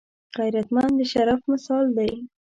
غیرتمند د شرف مثال دی